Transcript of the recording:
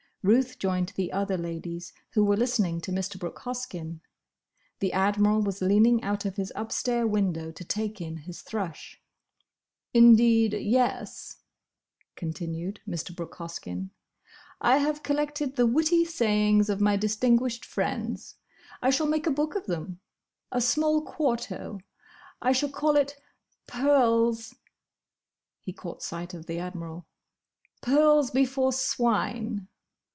Ruth joined the other ladies, who were listening to Mr. Brooke Hoskyn. The Admiral was leaning out of his upstair window to take in his thrush. "Indeed, yes," continued Mr. Brooke Hoskyn, "I have collected the witty sayings of my distinguished friends. I shall make a book of them. A small quarto. I shall call it, 'Pearls'"—he caught sight of the Admiral—"'Pearls before Swine.